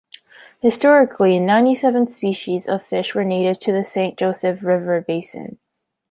Historically, ninety-seven species of fish were native to the Saint Joseph River Basin.